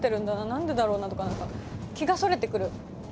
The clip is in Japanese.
何でだろうな？」とか何か気がそれてくる。